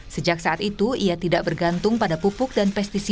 sejak saat itu ia tidak bergantung pada pupuk dan pestivasi